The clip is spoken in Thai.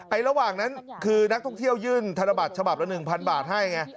ระหว่างนั้นคือนักท่องเที่ยวยื่นธนบัตรฉบับละ๑๐๐บาทให้ไง